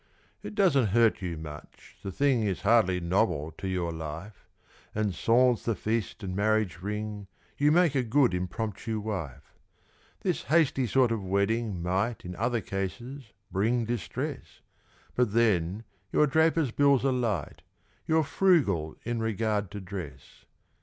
It doesn't hurt you much the thing Is hardly novel to your life; And, sans the feast and marriage ring, You make a good impromptu wife. This hasty sort of wedding might, In other cases, bring distress; But then, your draper's bills are light You're frugal in regard to dress.